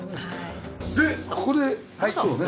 でここで靴をね。